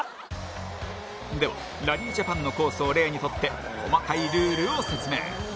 ではラリージャパンのコースを例にとって細かいルールを説明。